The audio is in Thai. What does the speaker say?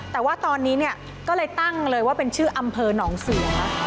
แต่ว่าตอนนี้เนี่ยก็เลยตั้งเลยว่าเป็นชื่ออำเภอหนองเสือ